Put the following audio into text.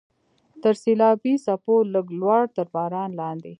تر سیلابي څپو لږ لوړ، تر باران لاندې.